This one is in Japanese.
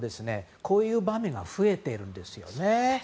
こういう場面が増えているんですよね。